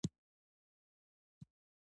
اکثریت څنګه پریکړه کوي؟